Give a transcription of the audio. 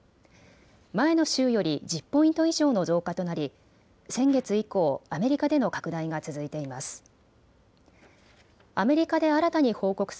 前の週より１０ポイント以上の増加となり先月以降、アメリカでの拡大が続いています。